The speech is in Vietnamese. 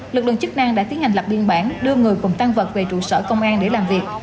lực lượng chức năng đã tiến hành lập biên bản đưa người cùng tăng vật về trụ sở công an để làm việc